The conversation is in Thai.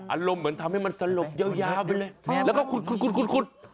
อารมณ์เหมือนทำให้มันสลบยาวไปเลยแล้วก็ขุด